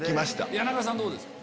谷中さんどうですか？